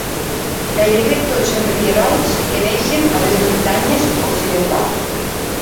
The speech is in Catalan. Gairebé tots són rierols que neixen a les muntanyes occidentals.